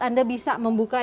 anda bisa membuka